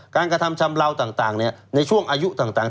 กระทำชำเลาต่างในช่วงอายุต่าง